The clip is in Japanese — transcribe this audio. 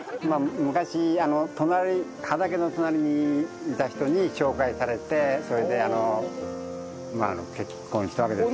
昔隣畑の隣にいた人に紹介されてそれで結婚したわけですね。